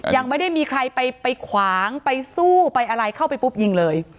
ยังไม่ได้มีใครไปขวางไปสู้ไปอะไรเข้าไปปุ๊บยิงเลย